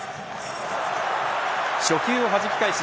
初球をはじき返し